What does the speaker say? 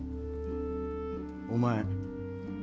お前